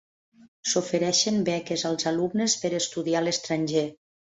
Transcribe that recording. S'ofereixen beques als alumnes per estudiar a l'estranger.